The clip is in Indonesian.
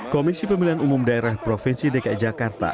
komisi pemilihan umum daerah provinsi dki jakarta